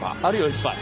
いっぱい。